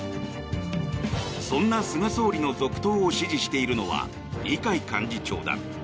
そんな菅総理の続投を支持しているのは二階幹事長だ。